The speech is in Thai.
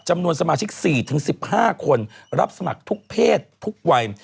จำนวนสมาชิก๔๑๕คนรับสมัครทุกเพศทุกวัย